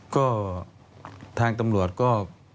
ก็ทางตำรวจก็